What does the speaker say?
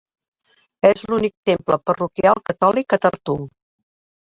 És l'únic temple parroquial catòlic a Tartu.